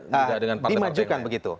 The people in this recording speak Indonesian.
nah dimajukan begitu